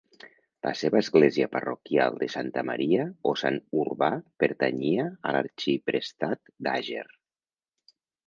La seva església parroquial de Santa Maria o Sant Urbà pertanyia a l'arxiprestat d'Àger.